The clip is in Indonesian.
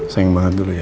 sayang banget dulu ya